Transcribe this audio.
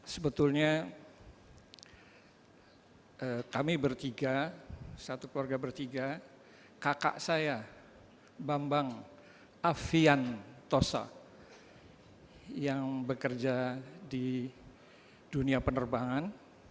sebetulnya kami bertiga satu keluarga bertiga kakak saya bambang afian tosa yang bekerja di dunia penerbangan